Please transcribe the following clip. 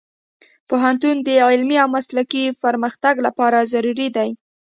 پوهنتون د علمي او مسلکي پرمختګ لپاره ضروري دی.